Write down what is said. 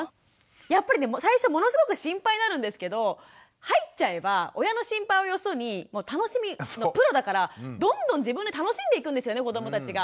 やっぱりね最初ものすごく心配になるんですけど入っちゃえば親の心配をよそに楽しみのプロだからどんどん自分で楽しんでいくんですよね子どもたちが。